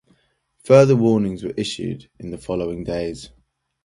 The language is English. Further warnings were issued in the following days.